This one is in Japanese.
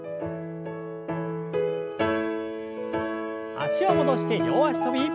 脚を戻して両脚跳び。